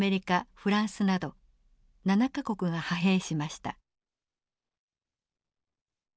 フランスなど７か国が派兵しました。